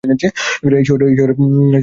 এই শহরের আয়তন সাত যোজন।